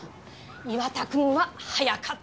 岩田君は早かったわよ。